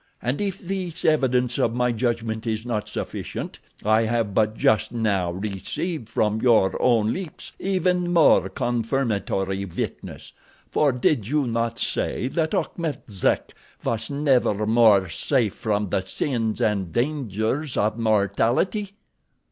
And, if this evidence of my judgment is not sufficient, I have but just now received from your own lips even more confirmatory witness—for did you not say that Achmet Zek was never more safe from the sins and dangers of mortality?